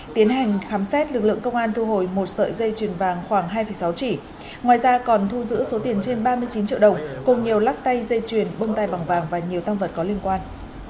tiến hành khám xét lực lượng công an thu hồi một sợi dây chuyền vàng khoảng hai sáu trị ngoài ra còn thu giữ số tiền trên ba mươi chín triệu đồng cùng nhiều lắc tay dây chuyền bông tay bằng vàng và nhiều tăng vật có liên quan